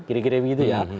kira kira begitu ya